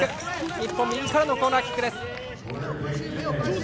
日本、右からのコーナーキック。